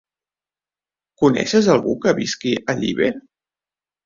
Coneixes algú que visqui a Llíber?